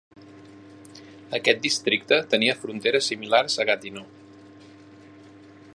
Aquest districte tenia fronteres similars a Gatineau.